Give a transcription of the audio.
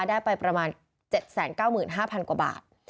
ได้ไปประมาณ๗๙๕๐๐กว่าบาท